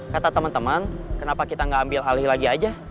kata teman teman kenapa kita nggak ambil alih lagi aja